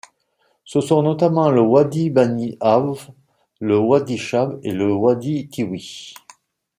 Ce sont notamment le Wadi Bani Awf, le Wadi Shab et le Wadi Tiwi.